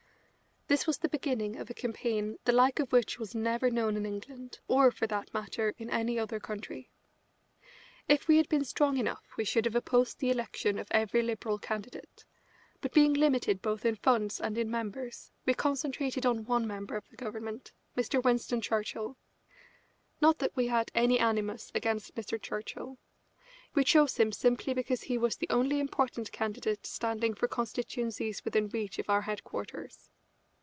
This was the beginning of a campaign the like of which was never known in England, or, for that matter, in any other country. If we had been strong enough we should have opposed the election of every Liberal candidate, but being limited both in funds and in members we concentrated on one member of the Government, Mr. Winston Churchill. Not that we had any animus against Mr. Churchill. We chose him simply because he was the only important candidate standing for constituencies within reach of our headquarters.